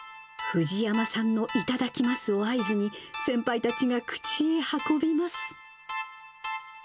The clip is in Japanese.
藤山さんのいただきますを合図に、先輩たちが口に運びます。